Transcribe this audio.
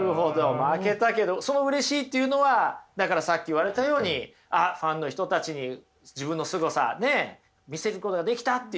負けたけどそのうれしいっていうのはだからさっき言われたようにファンの人たちに自分のすごさ見せることができたっていうことですよね？